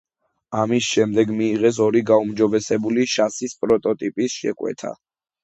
ამის შემდეგ მიიღეს ორი გაუმჯობესებული შასის პროტოტიპის შეკვეთა.